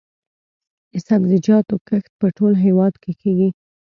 د سبزیجاتو کښت په ټول هیواد کې کیږي